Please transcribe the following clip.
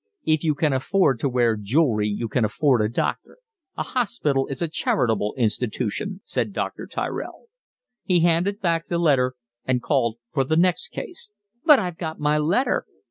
"If you can afford to wear jewellery you can afford a doctor. A hospital is a charitable institution," said Dr. Tyrell. He handed back the letter and called for the next case. "But I've got my letter."